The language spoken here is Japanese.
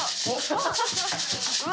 うわ。